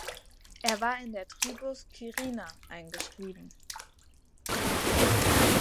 Er war in der Tribus "Quirina" eingeschrieben.